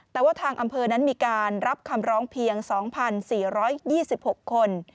แต่ว่าทางอำเภอนั้นมีการรับคำร้องเพียง๒๔๒๖คน